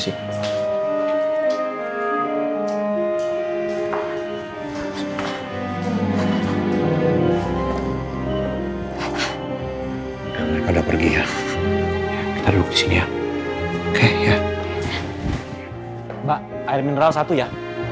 hai mereka udah pergi ya kita dulu sini ya oke ya mbak air mineral satu ya